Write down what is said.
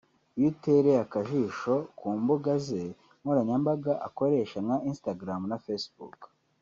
Iyo utereye akajijo ku mbuga ze nkoranyambaga akoresha nka Instagram na Facebook